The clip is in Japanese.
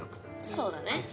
そうだね。